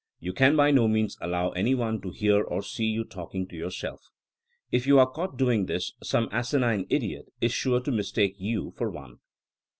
You can by no means allow any one to hear or see you talking to your self. If you are caught doing this some asinine idiot is sure to mistake you for one.